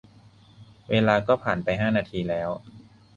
เวลาก็ผ่านไปห้านาทีแล้ว